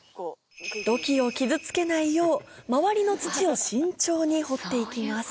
土器を傷つけないよう周りの土を慎重に掘って行きます